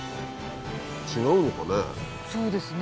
違うのかね？